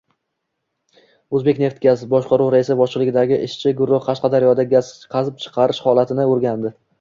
O‘zbekneftgaz: Boshqaruv raisi boshchiligidagi ishchi guruh Qashqadaryoda gaz qazib chiqarish holatini o‘rgandi